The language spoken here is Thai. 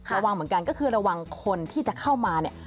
ระวังเหมือนกันก็คือระวังคนที่จะเข้ามาเนี่ย